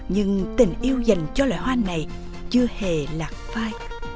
nhưng tình yêu dành cho loài hoa này chưa hề lạc phai